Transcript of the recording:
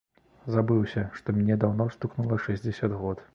Забыўся, што мне даўно стукнула шэсцьдзесят год.